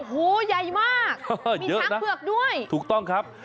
หูใหญ่มากมีช้างเผือกด้วยถูกต้องครับ